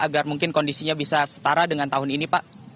agar mungkin kondisinya bisa setara dengan tahun ini pak